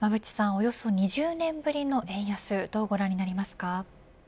およそ２０年ぶりの円安どうご覧になりますか。